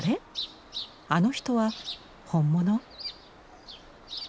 あの人は本物？